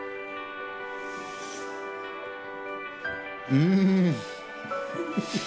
うん！